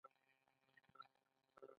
نو ته به یې واخلې